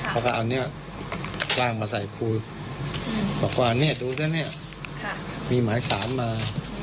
เขาก็เอาเนี่ยคว่างมาใส่ครูบอกว่าเนี่ยดูซะเนี่ยมีหมายสารมา